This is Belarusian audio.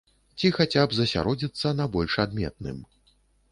Ці хаця б засяродзіцца на больш адметным.